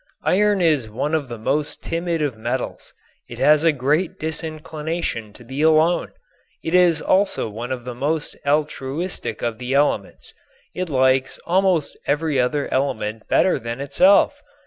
Iron is one of the most timid of metals. It has a great disinclination to be alone. It is also one of the most altruistic of the elements. It likes almost every other element better than itself.